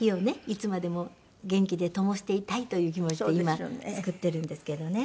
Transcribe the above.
いつまでも元気で灯していたいという気持ちで今作ってるんですけどね。